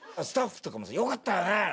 スタッフとかもさ「よかったよね！」